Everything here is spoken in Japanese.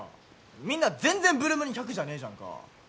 みんな全然８ＬＯＯＭに１００じゃねえじゃんか